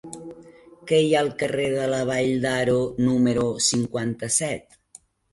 Què hi ha al carrer de la Vall d'Aro número cinquanta-set?